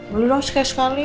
boleh dong sekali sekali